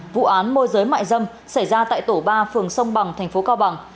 vụ án môi giới mại dâm xảy ra tại tổ ba phường sông bằng thành phố cao bằng